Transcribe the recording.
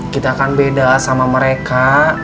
kita akan beda sama mereka